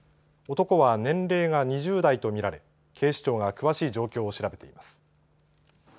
男は年齢が２０代と見られ警視庁が詳しい状況を調べています。